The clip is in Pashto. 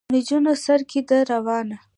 د نجونو سر کې ده روانه.